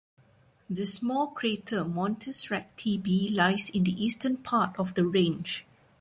The small crater Montes Recti B lies in the eastern part of the range.